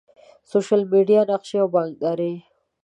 سوشل میډیا، نقشي او بانکداری